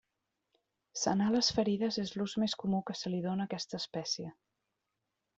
Sanar les ferides és l'ús més comú que se li dóna a aquesta espècie.